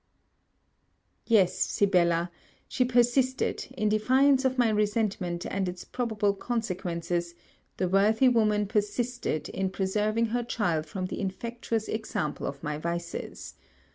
Yes, Sibella; she persisted, in defiance of my resentment and its probable consequences, the worthy woman persisted in preserving her child from the infectious example of my vices.